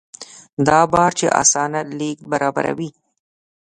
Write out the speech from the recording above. دا بارچي اسانه لېږد برابروي.